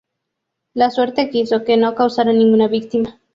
La suerte quiso que no causara ninguna víctima.